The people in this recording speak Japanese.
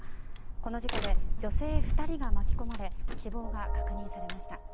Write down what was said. この事故で女性２人が巻き込まれ死亡が確認されました。